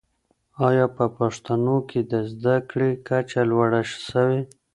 آیا په پښتنو کي د زده کړې کچه لوړه سوې؟